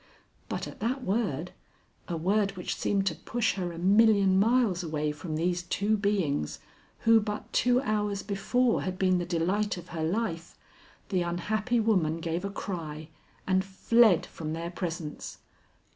But at that word, a word which seemed to push her a million miles away from these two beings who but two hours before had been the delight of her life, the unhappy woman gave a cry and fled from their presence.